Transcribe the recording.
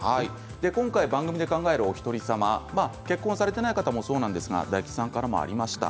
今回番組で考えるおひとりさま結婚されていない方もそうですが大吉さんからもありました